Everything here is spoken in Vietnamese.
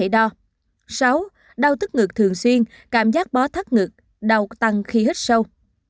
sáu đau tức ngực thường xuyên cảm giác bó thắt ngực đau tăng khi hít sâu